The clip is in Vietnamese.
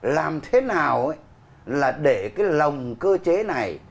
làm thế nào là để cái lồng cơ chế này